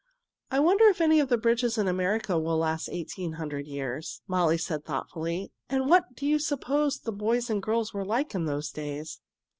"I wonder if any of the bridges in America will last eighteen hundred years," Molly said thoughtfully. "And what do you suppose the boys and girls were like in those days?"